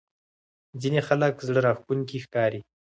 ځینې خلک زړه راښکونکي ښکاري.